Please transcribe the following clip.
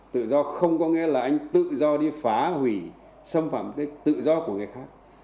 tự do không có nghĩa là anh tự do đi phá hủy xâm phạm cái tự do của người khác